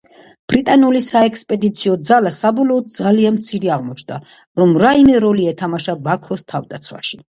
ბრიტანული საექსპედიციო ძალა საბოლოოდ ძალიან მცირე აღმოჩნდა, რომ რაიმე როლი ეთამაშა ბაქოს თავდაცვაში.